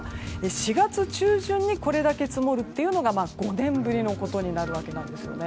４月中旬に、これだけ積もるのが５年ぶりのことになるわけですね。